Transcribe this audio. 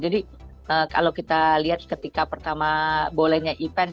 jadi kalau kita lihat ketika pertama bole nya event